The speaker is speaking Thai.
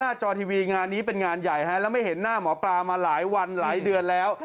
จอทีวีงานนี้เป็นงานใหญ่ฮะแล้วไม่เห็นหน้าหมอปลามาหลายวันหลายเดือนแล้ว